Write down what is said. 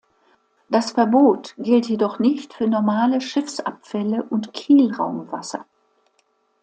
Das Verbot gilt jedoch nicht für normale Schiffsabfälle und Kielraumwasser.